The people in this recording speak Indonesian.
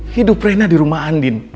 hidup rena di rumah andin